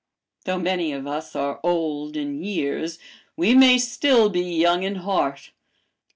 Though many of us are old in years, we may still be young in heart.